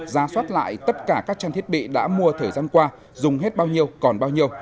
ra soát lại tất cả các trang thiết bị đã mua thời gian qua dùng hết bao nhiêu còn bao nhiêu